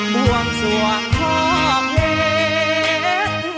บวงสั่วขอบเหตุ